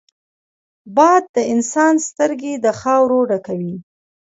باد د انسان سترګې د خاورو ډکوي